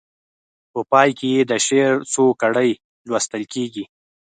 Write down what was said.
په پای کې یې د شعر څو کړۍ لوستل کیږي.